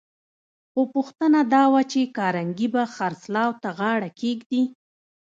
خو پوښتنه دا وه چې کارنګي به خرڅلاو ته غاړه کېږدي؟